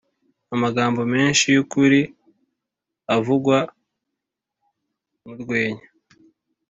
amagambo menshi yukuri avugwa murwenya